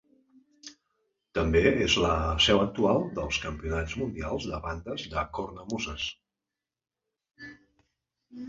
També és la seu actual dels campionats mundials de bandes de cornamuses.